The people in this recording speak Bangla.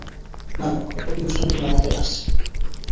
না না, একটা কী দুষ্টুমি তোমার মাথায় আসিয়াছে।